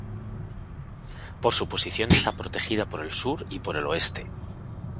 Por su posición está protegida por el sur y por el oeste.